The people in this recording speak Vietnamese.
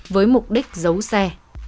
với mục đích giấu xe